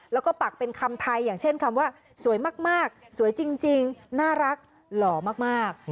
แล้วก็ปักเป็นคำไทยอย่างเช่นคำว่าสวยมากสวยจริงน่ารักหล่อมาก